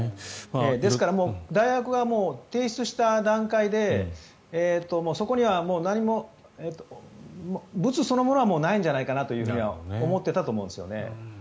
ですから大学側も提出した段階でそこにはもう何もブツそのものはもうないんじゃないかと思っていたと思うんですよね。